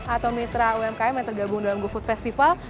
atau mitra umkm yang tergabung dalam gofood festival